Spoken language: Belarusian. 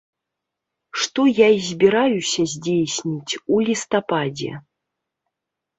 Што я і збіраюся здзейсніць у лістападзе.